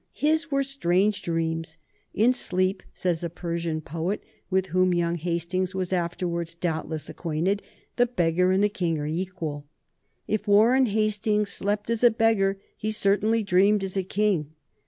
His were strange dreams. In sleep, says a Persian poet with whom young Hastings was afterwards doubtless acquainted, the beggar and the king are equal. If Warren Hastings slept as a beggar, he certainly dreamed as a king.